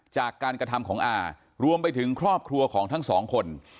จากการกระทำของอารวมไปถึงครอบครัวของทั้งสองคน